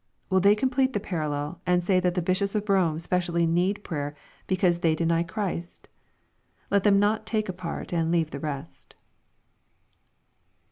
Will thej complete tlie parallel, and say that the Bishops of Rome specially need prayer, because they deny Christ ? Lot them not take a part and leave the rest."